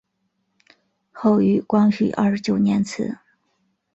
后于光绪二十九年祠。